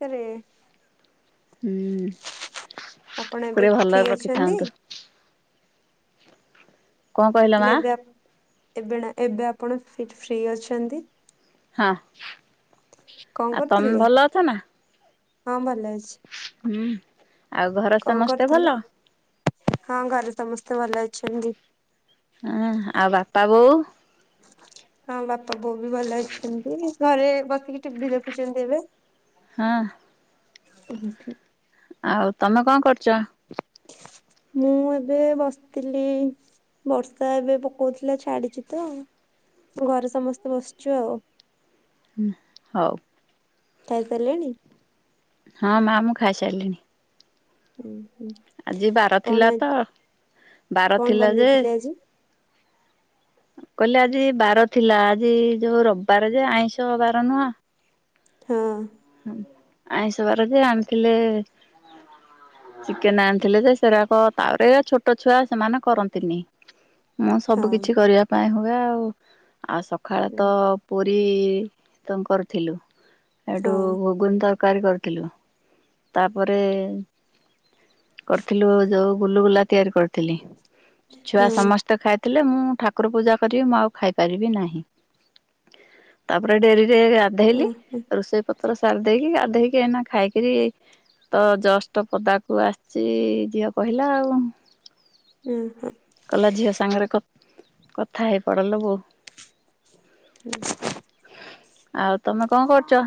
ସାରେ ହୁଁ ଆପଣ ଟିକେ ଏବେ ଭଲରେ ଫ୍ରି ଅଛନ୍ତି? ରଖିଥାନ୍ତୁ କଣ କହିଲ ମା ହେଲେ ଏବେ ଏବେ ନା ଏବେ ଆପଣ ଫ୍ରି ଅଛନ୍ତି। ହଁ। କଁ ଆଉ ତମେ କରୁଥିଲେ, ଭଲ ଅଛ ନା ହଁ ଭଲ ଅଛି। ଆଉ ଘରେ କଁ ସମସ୍ତେ ଭଲ କରିଥିଲେ? ହଁ ଘରେ ସମସ୍ତେ ଭଲ ଅଛନ୍ତି। ଆଁ ଆଉ ବାପା, ବୋଉ। [unintelligible] ହଁ ବାପା ବୋଉ ବି ଭଲ ଅଛନ୍ତି, ଘରେ ବସିକି ଟିଭି ଦେଖୁଛନ୍ତି ଏବେ। ହଁ। ଏଇଠି। ଆଉ ତମେ କଣ କରୁଛ? ମୁଁ ଏବେ ବସିଥିଲି। ବର୍ଷା ଏବେ ପକଉଥିଲା ଛାଡିଛି ତ ଘରେ ସମସ୍ତେ ବସିଛୁ ଆଉ। ଉଁ ହଉ। ଖାଇସାରିଲେଣି? ହଁ ମା ମୁଁ ଖାଇସାରିଲିଣି। ଉଁ ହୁଁ ଆଜି ବାର ଥିଲା କଣ ତ ଆଜି ବାର କଣ ଥିଲା ଯେ ବନେଇଥିଲେ ଆଜି? କହିଲେ ଆଜି ବାର ଥିଲା ଆଜି ଯୋଉ ରବିବାର ଯେ ଆଇଁଷ ବାର ନୁହଁ। ହଁ। ଆଇଁଷ ବାର ଯେ ଆଣିଥିଲେ ଚିକେନ ଆଣିଥିଲେ ଯେ ସେରାକ ତାରେ ଛୋଟ ଛୁଆ ସେମାନେ କରନ୍ତିନି। ମୁଁ ହଁ ସବୁ କିିଛି କରିବା ପାଇଁ ହୁଏ ଆଉ ଆଉ ସକାଳେ ହଁ ତ ପୁରୀ କରଥିଲୁ। ହଁ। ଘୁଗୁନ ତରକାରୀ କରିଥିଲୁ, ତାପରେ କରିଥିଲୁ ଯୋଉ ଗୁଲୁଗୁଲା ତିଆରି କରିଥିଲି, ଛୁଆ ହଁ ସମସ୍ତେ ଖାଇ ଥିଲେ, ମୁଁ ଠାକୁର ପୂଜା କରିବି ମୁଁ ଆଉ ଖାଇପାରିବି ନାହିଁ। ତାପରେ ଡେରିରେ ଗାଧେଇଲି ରୋଷେ ପତ୍ର ସାର ଦେଇକି ଗାଧେଇ ଏନା ଖାଇକିରି ତ ଜଷ୍ଟ ପଦାକୁ ଆସିଛି ଝିଅ କହିଲା ଆଉ। ଉଁ ହିଁ କଲା ଝିଅ ସାଙ୍ଗରେ କଥା ହେଇ ପଡଲ ବୋଉ। [unintelligible] ଆଉ ତମେ କଣ କରୁଛ?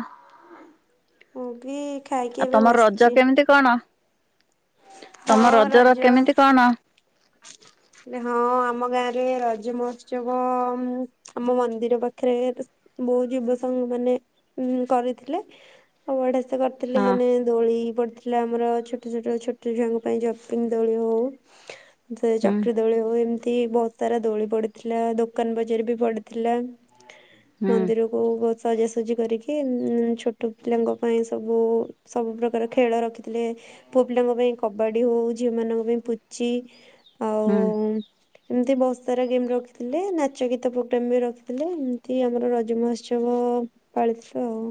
ମୁଁ ଭି ଆଉ ତମ ରଜ କେମିତି କଣ ହଁ ତମ ରଜର ରଜ କେମିତି କଣ। ହଁ ଆମ ଗାଁରେ ରଜ ମହୋତ୍ସବ ଆମ ମନ୍ଦିର ପାଖରେ ବହୁ ଯୁବ ସଂଙ୍ଗ ମାନେ ଉ କରିଥିଲେ। ଆଉ ବଢିଆ ସେ କରିଥିଲେ ହଁ ମାନେ ଦୋଳି ପଡିଥିଲା ଆମର ଛୋଟ ଛୋଟ ଛୋଟ ଛୁଆଙ୍କ ପାଇଁ ଜପିଙ୍ଗ ଦୋଳି ହଉ ହୁଁ [unintelligible] ଦୋଳି ଉ ଏମିତି ବହୁତ ସାରା ଦୋଳି ପଡିଥିଲା ଦୋକାନ ବଜାର ବି ପଡିଥିଲା। ହୁଁ ମନ୍ଦିରକୁ ହୁ ବହୁ ସଜାସଜି କରିକି ଉ ଛୋଟ ପିଲାଙ୍କ ପାଇଁ ସବୁ ସବୁ ପ୍ରକାର ଖେଳ ରଖି ଥିଲେ ପୁଅ ପିଲାଙ୍କ ପାଇଁ କବାଡି ହଉ ଝିଅ ମାନଙ୍କ ପାଇଁ ପୁଚି ଆଉ ହୁଁ। ଏମିତି ବହ୍ ସାରା ଗେମ୍ ରଖିଥିଲେ ନାଚ ଗୀତ ପ୍ରୋଗ୍ରାମ ବି ରଖିଥିଲେ ଏମିତି ଆମର ରଜମହୋଶ୍ଚ ଚବ ପାଳିଥିଲୁ ଆଉ।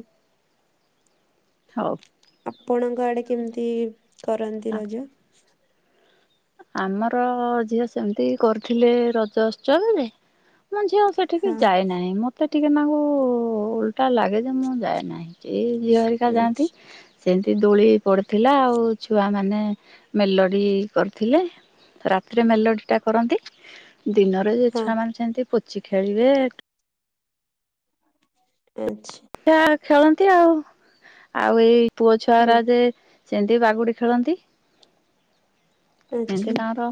ହଉ। ଆପଣଙ୍କ ଆଡେ କେମିତି କରନ୍ତି ରଜ। ଆମର ଝିଅ ସେମିତି କରିୁଥିଲେ ରଜ ଉତ୍ସବରେ ମୋ ଝିଅ ସେଠି କି ହଁ ଯାଏନାହିଁ ମୋତେ ଟିକେ ନାଗୁ ଓଲଟା ଲାଗେ ଯେ ମୁଁ ଯାଏ ନାହିଁ। ଏଇ ଝିଅ ହରିକା ଯାଆନ୍ତି। ଆଛା ସେମିତି ଦୋଳି ପଡିଥିଲା ଆଉ ଛୁଆ ମାନେ ମେଲଡି କରି ଥିଲେ ରାତିରେ ମେଲୋଡ଼ିଟା କରନ୍ତି ଦିନରେ ଯେ ହଁ ଛୁଆମାନେ ଛନ୍ତି ପୂଚି ଖେଳିବେ [unintelligible] ସେ ଆ ଖେଳନ୍ତି ଆଉ ଆଉ ଏଇ ପୁଅ ହୁଁ ଛୁଆର ଯେ ସେମିତି ବାଗୁଡି ଖେଳନ୍ତି ଆଛା ଏମିତି ତାଙ୍କର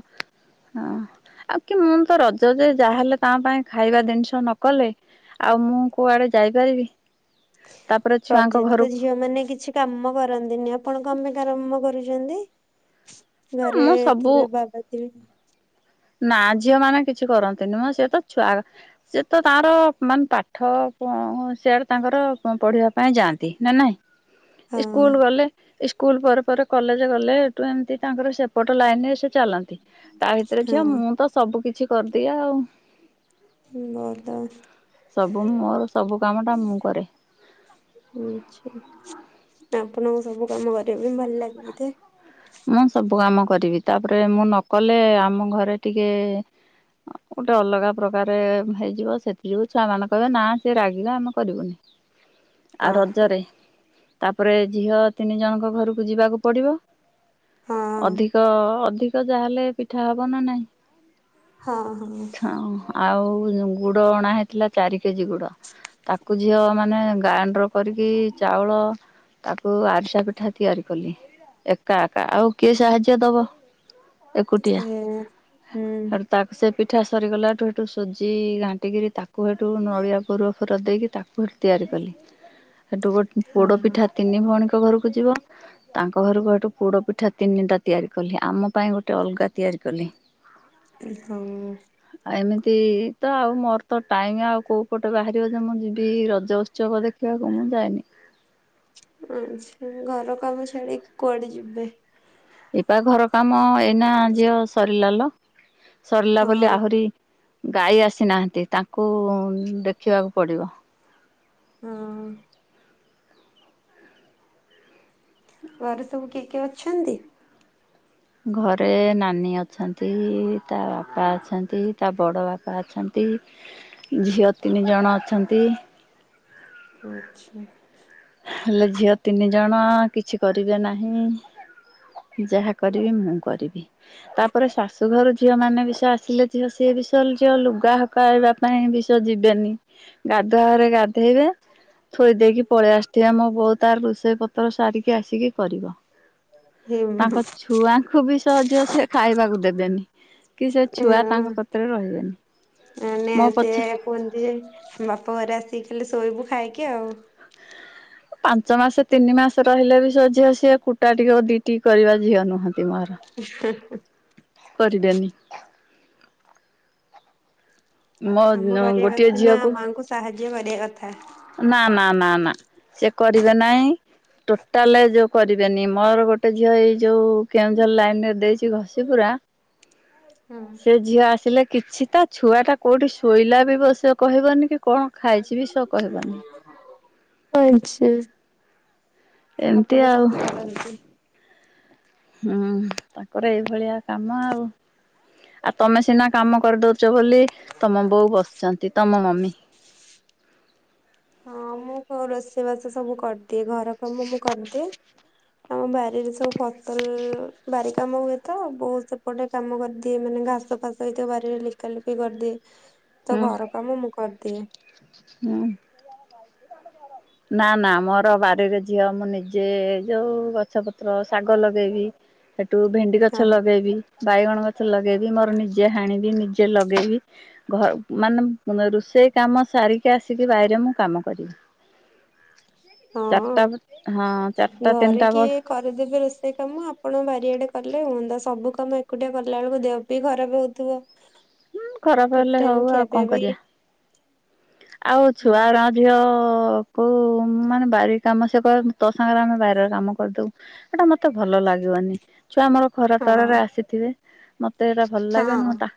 ହଁ ଆଉ କି ମୁଁ ତ ରଜ ଯେ ଯାହାଲେ ତା ପାଇଁ ଖାଇବା ଜିନିଷ ନ କଲେ ଆଉ ମୁଁ କୁଆଡ଼େ ଯାଇପାରିବି। ତାପରେ ଛୁଆଙ୍କ ରଜ ରେ ତ ଘରକୁ ଝିଅ ମାନେ କିଛି କାମ କରନ୍ତିନି ଆପଣ କଣ ପାଇଁ କାମ କରୁଛନ୍ତି। ଘରେ ମୁଁ ସବୁ ଥିବେ ବାବା ଥିବେ ନା ଝିଅ ମାନେ କିଛି କରନ୍ତିନି ମ ସେ ତ ଛୁଆ ସେ ତ ତାର ମାନେ ପାଠ ପ ସିଆଡ଼େ ତାଙ୍କର ପଢ଼ିବା ପାଇଁ ଯାଆନ୍ତି ନା ନାହିଁ। ହଁ ଏ ସ୍କୁଲ ଗଲେ। ଏ ସ୍କୁଲ ପରେ ପରେ କଲେଜ ଗଲେ ଏଠୁ ଏମିତି ତାଙ୍କର ସେପଟ ଲାଇନ ରେ ସେ ଚାଲନ୍ତି ତା ଭି ହଁ ଝିଅ ମୁଁ ତ ସବୁ କିିଛି କରିଦିଏ ଆଉ। [unintelligible] ସବୁ ମୋର ସବୁ କାମଟା ମୁଁ କରେ। ଆଛା ଆପଣଙ୍କୁ ସବୁ କାମ କରିବ ପାଇଁ ଭଲ ଲାଗେ ବଧେ। ମୁଁ ସବୁ କାମ କରିବି ତାପରେ ମୁଁ ନକଲେ ଆମ ଘରେ ଟିକେ ଗୋଟେ ଅଲଗା ପ୍ରକାର ହେଇଯିବ ସେଥି ଯୋଗୁ ଛୁଆ ମାନେ କହିବେ ନା ସେ ରାଗିଲା ଆମେ କରିବୁନି। ଆଉ ଅ ରଜରେ ତାପରେ ଝିଅ ତିନି ଜଣଙ୍କ ଘରକୁ ଯିବାକୁ ପଡିବ। ହଁ ଅଧିକ ଅଧିକ ଯାହଲେ ପିଠା ହବ ନା ନାଇଁ। ହଁ ହଁ। ହଁ ଆଉ ଗୁଡ ଅଣା ହେଇଥିଲା ଚାରି କେଜି ଗୁଡ। ତାକୁ ଝିଅ ମାନେ ଗାଣ୍ଡ ରୁ କରିକି ଚାଉଳ ତାକୁ ଆରିସା ପିଠା ତିଆରି କଲି ଏକା। ଏକା ଆଉ କିଏ ସାହାଯ୍ୟ ଦବ ଏକୁଟିଆ ସେ ହୁଁ ହେ ତାକୁ ସେ ପିଠା ସରିଗଲାଠୁ ହେଟୁ ସୁଜି ଘାଣ୍ଟିକିରି ତାକୁ ହେଠୁ ନଳିଆ ପୋରୁଅ ଫୋର ଦେଇକି ତାକୁ କୁ ତିଆରି କଲି ହେଠୁ ଗୋଟେ ହଁ ପୋଡ଼ପିଠା ତିନି ଭଉଣୀଙ୍କ ଘରକୁ ଯିବ ତାଙ୍କ ଘରକୁ ଏଠୁ ପୋଡ ପିଠା ତିନିଟା ତିଆରି କଲି ଆମ ପାଇଁ ଗୋଟେ ଅଲଗା ତିଆରି କଲି। ହଁ ଆଉ ଏମିତି ତ ଆଉ ମୋର ତ ଟାଇମ ଆଉ କୋଉ ପଟେ ବାହାରିବ ଯେ ମୁଁ ଯିବି ରଜ ଉତ୍ସବ ଦେଖି। ସେ କନ ଯାଇନି। ଆଛା ଘର କାମ ଛାଡିକି କୁଆଡେ ଯିବେ। ଏ ପା ଘର କାମ ଏଇନା ଝିଅ ସରିଲାଲ। ସରିଲା ହଁ ବୋଲି ଆହୁରି ଗାଈ ଆସିନାହାନ୍ତି ତାଙ୍କୁ ଦେଖିବାକୁ ପଡିବ। ହଁ। ଘରେ ସବୁ କିଏ କିଏ ଅଛନ୍ତି। ଘରେ ନାନୀ ଅଛନ୍ତି ତା ବାପା ଅଛନ୍ତି ତା ବଡ଼ ବାପା ଅଛନ୍ତି। ଝିଅ ତିନି ଜଣ ଅଛନ୍ତି। ଆଛା। ହେଲେ ଝିଅ ତିନି ଜଣ କିଛି କରିବେ ନାହିଁ। ଯାହା କରିବି ମୁଁ କରିବି ତାପରେ ଶାଶୁଘରୁ ଝିଅ ମାନେ ବିଷ ଆସିଲେ ଝିଅ ସିଏ ବିଷ ଝିଅ ଲୁଗା ହକାଇବା ପାଇଁ ବିଷ ଯିବେନି। ଗାଧୁଆଘରେ ଗାଧେଇବେ ଥୋଇ ଦେଇକି ପଳେଇ ଆସ ସେ ମୋ ବୋଉ ତାର ରୋଷେଇ ପତ୍ର ସାରିକି ଆସିକି କରିବ। ହେ ତାଙ୍କ ଛୁଆଙ୍କୁ ବି ସହଜ ସେ ଖାଇବାକୁ ଦେବେନି। କି ସେ ଛୁଆ ତାଙ୍କ କତିରେ ରହିବେନି। ମାନେ ମୋ ସେ ପଛେ କୁହନ୍ତି ଯେ ବାପା ଘରେ ଆସିକି ଖାଲେ ଶୋଇବୁ ଖାଇକି ଆଉ। ପାଞ୍ଚ ମାସ ତିନି ମାସ ରହିଲେ ବି ସେ ଝିଅ ସିଏ କୁଟା ଟିକେ ଦିଟି କରିବା ଝିଅ ନୁହଁନ୍ତି ମୋର। ହ। କରିବେନି। ମୋ କାମ କରିବା ଗୋଟିଏ କଥା ନା ଝିଅକୁ ମାଆଙ୍କୁ ସାହାଯ୍ୟ କରିବା କଥା। ନା ନା ନା ନା ସେ କରିବେ ନାଇଁ। ଟୋଟାଲ ଯୋଉ କରିବେନି ମୋର ଗୋଟେ ଝିଅ ଏଇ ଯୋଉ କେଉଁଝର ଲାଇନ ରେ ଦେଇଛି ଘଷି ପୁରା ସେ ଝିଅ ଆସିଲେ କିଛି ତା ଛୁଆଟା କୋଉଠି ଶୋଇଲା ବି ବ ସେ କହିବନି କି କଣ ଖାଇଛି ବି ସ କହିବନି। ଆଛା। ଏମିତି ଆପଣ ଆଉ ସବୁ କରନ୍ତି। ହୁଁ ତାଙ୍କର ଏଇଭଳିଆ କାମ ଆଉ। ଆଉ ତମେ ସିନା କାମ କରିଦଉଛ ବୋଲି ତମ ବୋଉ ବସିୁଛନ୍ତି ତମ ମମି। ହଁ ମୁଁ କ ରୋଷେଇ ବାସ ସବୁ କରିଦିଏ ଘର କାମ ମୁଁ କରିଦିଏ। ଆମ ବାରିରେ ସବୁ ଫସଲ୍ ବାରି କାମ ହୁଏ ତ ବୋଉ ସେପଟେ କାମ କରିଦିଏ ମାନେ ଘାସ ଫାସ ସେଇ ତ ବାରିରେ ଲେଖା ଲେଖି କରିଦିଏ ତ ହୁଁ ଘର କାମ ମୁଁ କରିଦିଏ। ହୁଁ। ନା ନା ମୋର ବାରିରେ ଝିଅ ମୁଁ ନିଜେ ଯୋଉ ଗଛପତ୍ର ଶାଗ ଲଗେଇବି। ସେଠୁ ଭେଣ୍ଡି ହଁ ଗଛ ଲଗେଇବି। ବାଇଗଣ ଗଛ ଲଗେଇବି ମୋର ନିଜେ ହାଣିବି ନିଜେ ଲଗେଇବି। ଘ ମାନେ ମା ରୋଷେଇ କାମ ସାରି ଫେଏ ଆସିକି ବାଇରେ ମୁଁ କାମ କରି ହଁ। ଚାରିଟା ହଁ ଚାରିଟା ଘରେ ତିନିଟା କିଏ ବଳ। କରିଦେବେ ରୋଷେଇ କାମ ଆପଣ ବାରିଆଡେ କଲେ ହୁଅନ୍ତା ସବୁ କାମ ଏକୁଟିଆ କଲା ବେଳକୁ ଦେହ ବି ଖରାପ ହଉଥିବ। ଖରାପ ଠିକ ହେଲେ ହଉ ଟାଇମ ଖିଆ ଆଉ ପିଆ କଣ ବି କରିଆ ଆଉ ଛୁଆ ହୁଁ, ଏରା ଝିଅ କୋଉ ମାନେ ବାରି କାମ ସେ କରନ୍ତି ତୋ ସାଙ୍ଗରେ ଆମେ ବାରିରେ କାମ କରିଦଉ। ଏଇଟା ମତେ ଭଲ ଲାଗିବନି ଛୁଆ ମୋର ଖରା ହଁ ତରା ରେ ଆସିଥିବେ ମତେ ଏଇରା ଭଲ ଲାଗେନି ହଁ। ମୋତା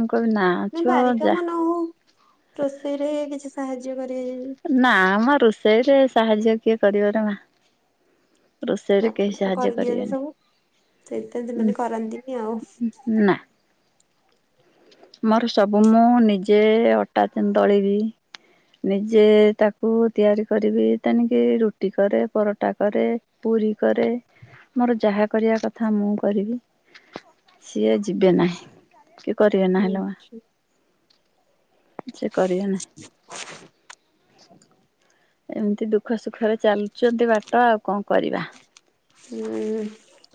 ମୁଁ କଇବି ନା ନାଇଁ ଛୁଆ ବାରି ଯା କାମ ନ ହଉ ରୋଷେଇରେ କିଛି ସାହାଯ୍ୟ କରିବେ ଯଦି। ନା ମ ରୋଷେଇ ରେ ସାହାଯ୍ୟ କିଏ କରିବ ନା ମା। ରୋଷେଇରେ କେହି ଆପଣ ତ ସାହାଯ୍ୟ କରିଦିଅନ୍ତି ସବୁ କରିବେନି ସେଇଥି ଦିନେନି କରନ୍ତିନି ଆଉ। ନା। ମୋର ସବୁ ମୁଁ ନିଜେ ଅଟା ତିନ ଡଳିବି ନିଜେ ତାକୁ ତିଆରି କରିବି ତେନିକି ରୁଟି କରେ ପରଟା କରେ। ପୁରୀ କରେ ମୋର ଯାହା କରିବା କଥା ମୁଁ କରିବି। ସିଏ ଯିବେ ନାହିଁ କି କରିବେ ନାହିଁ ଲୋ ମା। ଆଚ୍ଛା। ଛେ କରିିବେ ନା ଏମିତି ଦୁଃଖ ସୁଖରେ ଚାଲଚନ୍ତି ବାଟ ଆଉ କଁ କରିବା? ହୁଁ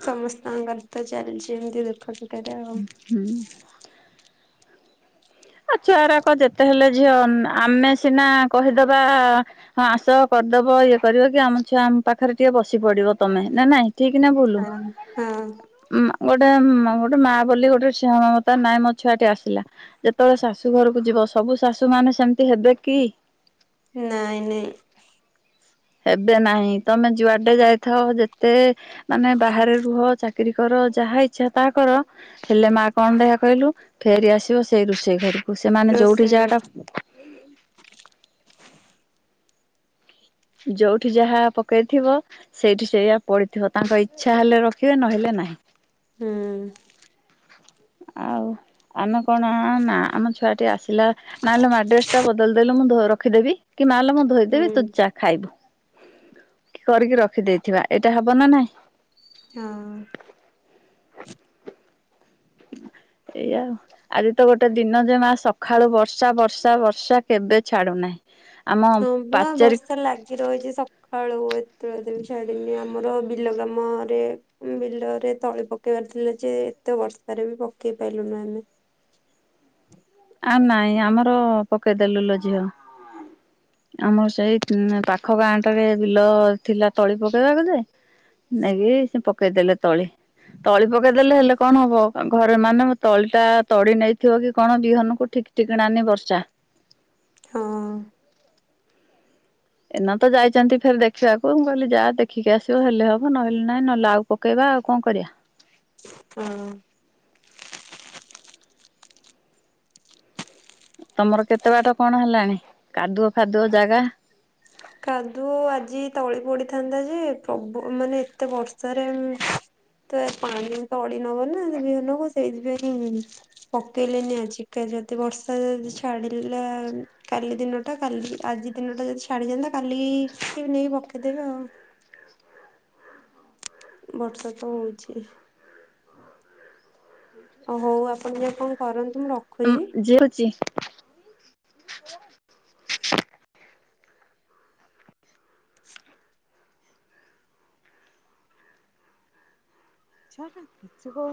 ସମସ୍ତଙ୍କର ତ ଚାଲିଚି ଏମତି ଦୁଃଖ ସୁଖରେ ଆଉ। ହୁଁ। ଆ ଛୁଆରାକ ଯେତେ ହେଲେ ଝିଅ ଆମ ଆମେ ସିନା କହିଦେବା ହଁ ଆସ କରିଦବ ଇଏ କରିବ କି ଆମ ଛୁଆ ଆମ ପାଖରେ ଟିକେ ବସି ପଡିବ ତମେ ନା ନାଇଁ? ଠିକ୍ ନା ବୁଲୁ? ହଁ ହଁ ଉଁଆଁ ଗୋଟା ମ ଗୋଟେ ମାଆ ବୋଲି ଗୋଟେ ସେହ ମମତା ନାଇ ମୋ ଛୁଆଟି ଆସିଲା ଯେ ତ ବେଳେ ଶାଶୁ ଘରକୁ ଯିବ ସ ସବୁ ଶାଶୁ ମାନେ ସେମତି ହେବେ କି? ନାଇଁ ନାଇଁ। ହେବେ ନାହିଁ। ତମେ ଯୁଆଡେ ଯାଇଥାଅ ଯେତେ ମାନେ ବାହାରେ ରୁହ ଚା କିରି କର ଯାହା ଇଚ୍ଛା ତାହା କର ହେଲେ ମା କଣ ଦେହା କହିଲୁ ଫେରି ଆସିବ ସେଇ ରୋଷେଇ ଘରୁ। ରୋଷେଇ ଘରେ। ଯୋଉଠି ଯାହା ପକେଇଥିବ ସେଇଠି ସେଇଆ ପଡିଥିବ ତାଙ୍କ ଇଚ୍ଛା ହେଲେ ରଖିବେ ନହେଲେ ନାହିଁ। ହୁଁ। ଆଉ ଆମେ କଣ ଆ ହଁ ନା ଆମ ଛୁଆଟି ଆସିଲା ନାଇଲୋ ମା ଡ଼୍ରେସ ଟା ବଦଳି ଦେଲେ ମୁଁ ଧୋ ର ରଖିଦେବି। କି ମାଲୋ ମୁଁ ଧୋଇଦେବି ତୁ ହୁଁ ଚା ଖାଇବୁ କି କରିକି ରଖିଦେଇଥିବା ଏଇଟା ହବ ନା ନାଇଁ? ହଁ। ଏଇୟା ଆଉ ଆଜି ତ ଗୋଟେ ଦିନ ଯେମା ସଖାଳୁ ବର୍ଷା ବର୍ଷା ବର୍ଷା କେବେ ଛାଡୁନାହିଁ। ଆମ ହଁ ବା ପାଚେରୀ ବର୍ଷା ଲାଗି ରହିଚି ସ ଖାଳୁ ଏତବେଳଦେ ଛାଡିନି ଆମର ବିଲ କାମ ରେ ବିଲରେ ତଳି ପକେଇବାର ଥିଲା ଯେ ଏତେ ବର୍ଷାରେ ବି ପକେଇ ପାଇଲୁନୁ ଆମେ। ଆ ନାଇଁ ଆମର ପକେଇଦେଲୁ ଲୋ ଝିଅ। ଆମର ସେଇ ଉମ ପାଖ ଗାଁ ଟାରେ ବିଲ ଥିଲା ତଳି ପକେଇବାକୁ ଯେ ନେଇକି ସେ ପକେଇଦେଲେ ତଳି। ତଳି ପକେଇଦେଲେ ହେଲେ କଣ ହବ ଘରେ ମାନ ତଳି ଟା ତଡି ନେଇଥିବ କି କଣ ବିହନକୁ ଠିକ୍ ଟିକଣା ନି ବର୍ଷା। ହଁ। ଏନା ତ ଯାଇଚନ୍ତି ଫେରେ ଦେଖିବାକୁ ମୁଁ କହିଲି ଯା ଦେଖିକି ଆସିବ ହେଲେ ହବ ନହଲେ ନାଇଁ ନହେଲେ ଆଉ ପକେଇବା ଆଉ କଁ କରିବା। ହଁ। ତମର କେତେ ବାଟ କଣ ହେଲାଣି? କାଦୁଅ ଫାଦୁଅ ଜାଗା। କାଦୁଅ ଆଜି ତଳି ପଡିଥାନ୍ତା ଯେ ପ୍ରବ ମାନେ ଏତେ ବର୍ଷାରେ ଉମ ତଏ ପାଣି ତଢ଼ି ନବନା ସେ ବିହ ନବ ସେଇଥି ପାଇଁ ପକେଇଲେନି ଆଜି କାଲି ଯଦି ବର୍ ଯଦି ଛାଡିଲା କାଲି ଦିନଟା କାଲି ଆଜି ଦିନଟା ଯଦି ଛାଡି ଯାଆନ୍ତା। କାଲି କିଛି ନେଇକି ପକେଇଦେବେ ଆଉ। ବର୍ଷା ତ ହଉଚି ହଉ ଆପଣ ଯା କଣ କରନ୍ତୁ ମୁଁ ରଖୁଚି। ଯେ ହୋଉଚି। [unintelligible]